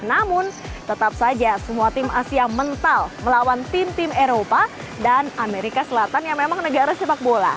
namun tetap saja semua tim asia mental melawan tim tim eropa dan amerika selatan yang memang negara sepak bola